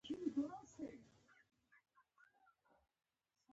ښورېدونکي بندونه ډېر ډولونه لري.